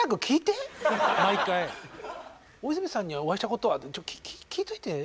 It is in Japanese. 「大泉さんにお会いしたことは？」って聞いといて。